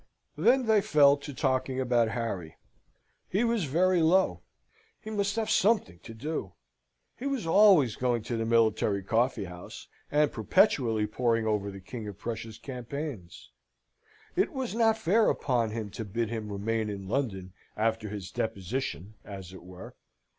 Then they fell to talking about Harry. He was very low. He must have something to do. He was always going to the Military Coffee House, and perpetually poring over the King of Prussia's campaigns. It was not fair upon him, to bid him remain in London, after his deposition, as it were.